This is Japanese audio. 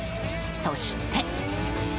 そして。